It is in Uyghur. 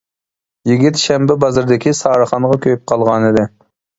يىگىت شەنبە بازاردىكى سارىخانغا كۆيۈپ قالغانىدى.